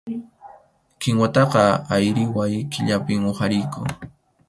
Kinwataqa ayriway killapim huqariyku.